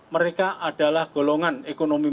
mereka adalah golongan ekonomi